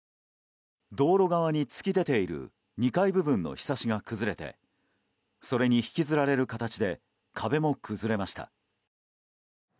道路側に突き出ている２階部分のひさしが崩れてそれに引きずられる形で壁も崩れました。